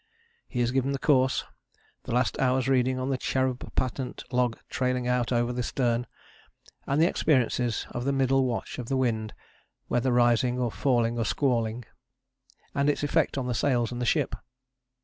He is given the course, the last hour's reading on the Cherub patent log trailing out over the stern, and the experiences of the middle watch of the wind, whether rising or falling or squalling, and its effect on the sails and the ship.